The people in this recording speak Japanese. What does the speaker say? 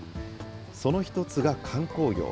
その一つが観光業。